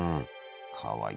かわいい。